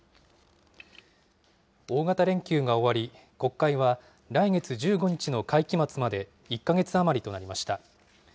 大型連休が終わり、国会は来月１５日の会期末まで１か月余りとなりました。